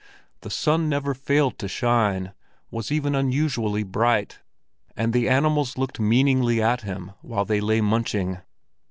The sun never failed to shine—was even unusually bright; and the animals looked meaningly at him while they lay munching.